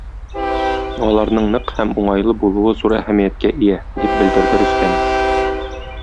Аларның нык һәм уңайлы булуы зур әһәмияткә ия, - дип белдерде Рөстәм.